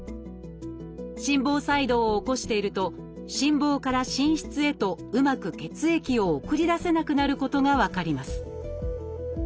心房細動を起こしていると心房から心室へとうまく血液を送り出せなくなることが分かります